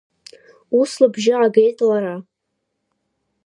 Ус лыбжьы аагеит лара.